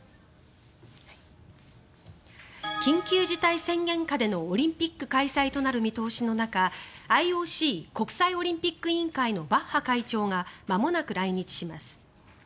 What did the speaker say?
緊急事態宣言下でのオリンピック開催となる見通しの中ＩＯＣ・国際オリンピック委員会のバッハ会長がまもなく来日します。